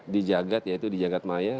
di jagad yaitu di jagad maya